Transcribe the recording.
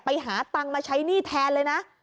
ไปหาตังค์มาใช้หนี้แทนเลยนะ